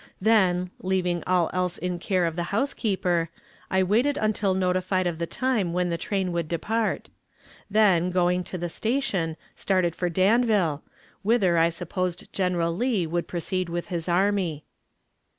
Then, leaving all else in care of the housekeeper, I waited until notified of the time when the train would depart; then, going to the station, started for Danville, whither I supposed General Lee would proceed with his army.